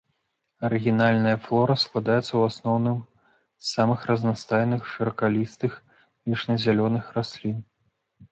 Арыгінальная флора складаецца ў асноўным з самых разнастайных шыракалістых вечназялёных раслін.